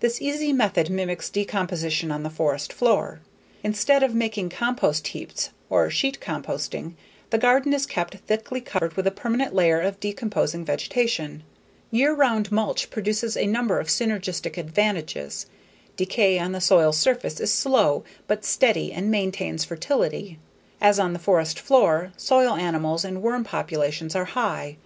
This easy method mimics decomposition on the forest floor. Instead of making compost heaps or sheet composting, the garden is kept thickly covered with a permanent layer of decomposing vegetation. Year round mulch produces a number of synergistic advantages. Decay on the soil's surface is slow but steady and maintains fertility. As on the forest floor, soil animals and worm populations are high.